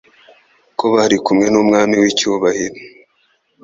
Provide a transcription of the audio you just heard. ko bari kumwe n'Umwami w'icyubahiro.